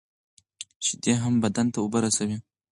شیدې هم بدن ته اوبه رسوي.